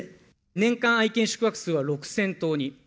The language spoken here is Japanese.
年間愛犬宿泊数は６０００頭に。